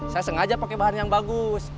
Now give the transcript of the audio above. saya sengaja pakai bahan yang bagus